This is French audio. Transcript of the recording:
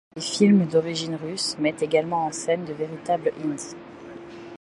Les films d'origine russe mettent également en scène de véritables Hinds.